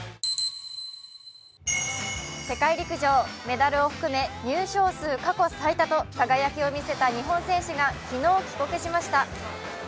世界陸上、メダルを含め入賞数過去最多と輝きを見せた日本選手が昨日、帰国しました。